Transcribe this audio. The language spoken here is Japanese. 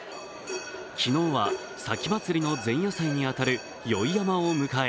昨日は前祭の前夜祭に当たる宵山を迎え